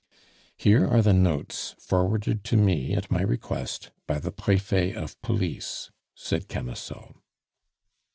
"Here are the notes, forwarded to me, at my request, by the Prefet of police," said Camusot.